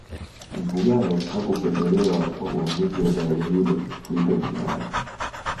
mfugale hakupendelewa kwa uamuzi wa daraja hilo kuitwa jina lake